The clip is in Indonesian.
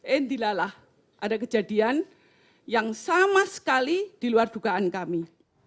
indilalah ada kejadian yang sama sekali di luar dugaan kami